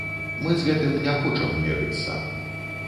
Мы з гэтым не хочам мірыцца.